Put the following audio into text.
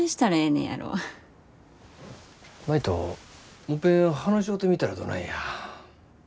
舞ともっぺん話し合うてみたらどないや。